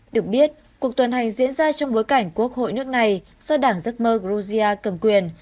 được biết cuộc tuần hành diễn ra trong bối cảnh quốc hội nước này do đảng giấc mơ georgia cầm quyền